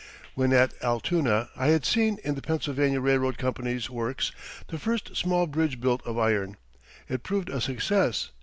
] When at Altoona I had seen in the Pennsylvania Railroad Company's works the first small bridge built of iron. It proved a success.